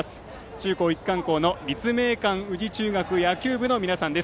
中高一貫校の立命館宇治中学野球部の皆さん。